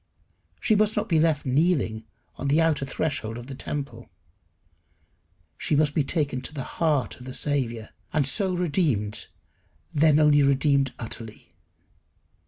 She must not be left kneeling on the outer threshold of the temple. She must be taken to the heart of the Saviour, and so redeemed, then only redeemed utterly.